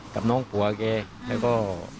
กับน้องพ่อกันเค้ก็